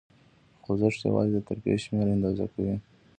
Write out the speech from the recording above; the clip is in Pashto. خوځښت یواځې د ترفیع شمېر آندازه کوي.